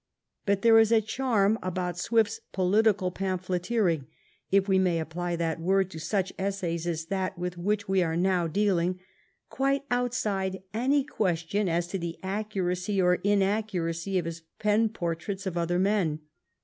But there is a charm about Swift's political pamphleteering, if we may apply that word to such essays as that with which we are now dealing, quite outside any question as to the accuracy or inaccuracy of his pen portraits of other men.